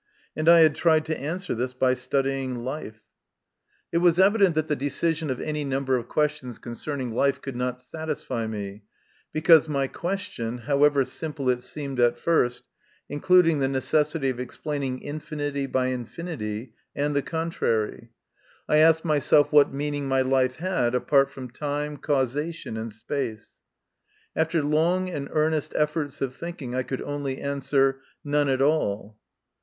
And I had tried to answer this by studying life. 84 MY CONFESSION. It was evident that the decision of any number of questions concerning life could not satisfy me, because my question, however simple it seemed at first, included the necessity of explaining infinity by infinity, and the contrary. I asked myself what meaning my life had apart from time, causation, and space. After long and earnest efforts of thinking, I could only answer none at all.